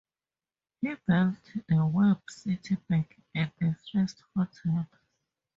He built the Webb City Bank and the first hotel.